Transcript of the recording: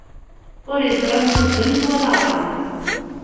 Ur iẓri anda zzant wala ṛɣant.